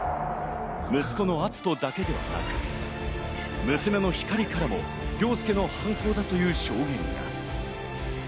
息子の篤斗だけではなく、娘の光莉からも凌介の犯行だという証言が。